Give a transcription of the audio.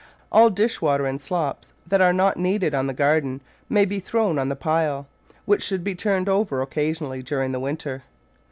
All dish water and slops that are not needed on the garden may be thrown on the pile, which should be turned over occasionally during the winter.